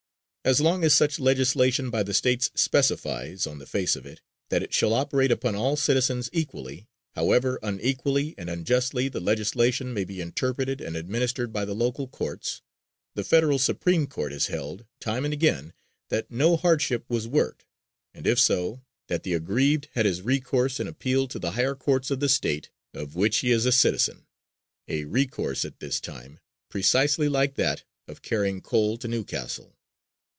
As long as such legislation by the States specifies, on the face of it, that it shall operate upon all citizens equally, however unequally and unjustly the legislation may be interpreted and administered by the local courts, the Federal Supreme Court has held, time and again, that no hardship was worked, and, if so, that the aggrieved had his recourse in appeal to the higher courts of the State of which he is a citizen, a recourse at this time precisely like that of carrying coal to New Castle.